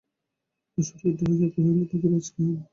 আশা উৎকণ্ঠিত হইয়া কহিল, পাখির আজ কী হইল।